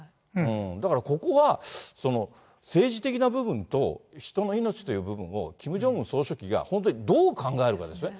だからここは、政治的な部分と、人の命という部分を、キム・ジョンウン総書記が本当にどう考えるかですね。